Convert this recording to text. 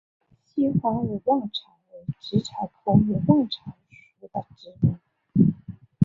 稀花勿忘草为紫草科勿忘草属的植物。